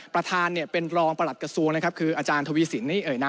ประธานเป็นรองประหลัดกระทรวงคืออาจารย์ถวีสิน